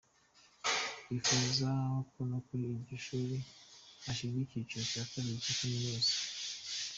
Bifuza ko no kuri iryo shuri hashyirwa icyiciro cya kabiri cya kaminuza.